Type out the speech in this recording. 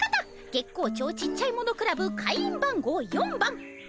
月光町ちっちゃいものクラブ会員番号４番カタピーさま